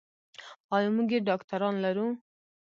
ایا موږ یې ډاکتران لرو.